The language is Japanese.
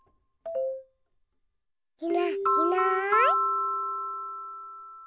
いないいない。